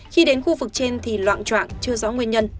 khi đến khu vực trên thì loạn trạng chưa rõ nguyên nhân